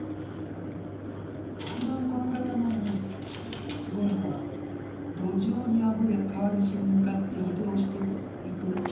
一番この方のすごいのは「路上にあふれ川岸に向かって移動していく人」